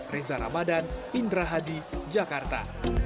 reza ramadan indra hadi jakarta